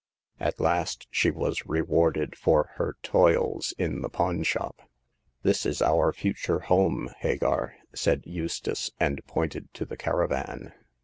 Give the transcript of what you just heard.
At last she was rewarded for her toils in the pawn shop. This is our future home, Hagar," said Eus tace, and pointed to the caravan.